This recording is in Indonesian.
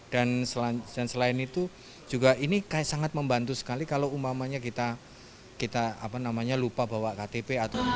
dan selain itu ini sangat membantu sekali kalau umpamanya kita lupa bawa ktp